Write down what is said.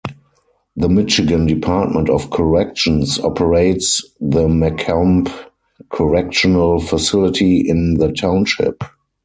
The Michigan Department of Corrections operates the Macomb Correctional Facility in the township.